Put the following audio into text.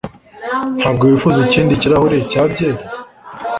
Ntabwo wifuza ikindi kirahure cya byeri?